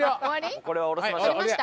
これは降ろしましょう。